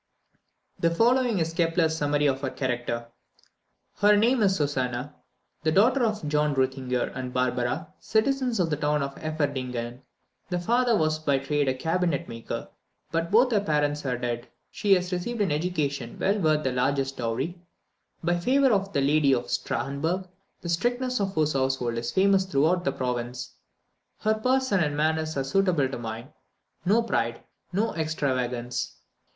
The following is Kepler's summary of her character: "Her name is Susannah, the daughter of John Reuthinger and Barbara, citizens of the town of Eferdingen. The father was by trade a cabinetmaker, but both her parents are dead. She has received an education well worth the largest dowry, by favour of the Lady of Stahrenberg, the strictness of whose household is famous throughout the province. Her person and manners are suitable to mine no pride, no extravagance.